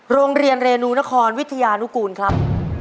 โรงเรียนเรนูนครวิทยานุกูลครับ